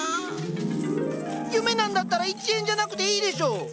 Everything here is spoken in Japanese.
夢なんだったら一円じゃなくていいでしょ！